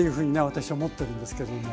私は思ってるんですけども。